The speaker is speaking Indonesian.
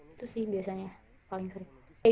itu sih biasanya paling sering